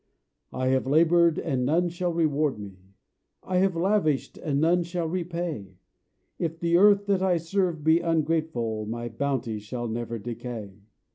I have laboured and none shall reward me, I have lavished and none shall repay, If the earth that I serve be ungrateful My bounty shall never decay.